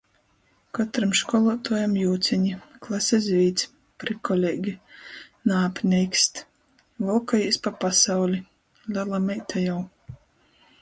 Kotram školuotuojam jūceni. Klase zvīdz. Prikoleigi. Naapneikst. Volkojīs pa pasauli! Lela meita jau.